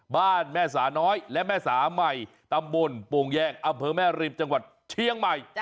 บ้านแม่สาน้อยและแม่สาใหม่ตำบลโป่งแยกอำเภอแม่ริมจังหวัดเชียงใหม่